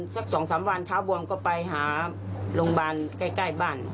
สัก๒วันพ่อบวมก็ไปหาโรงบาลใกล้บ้าน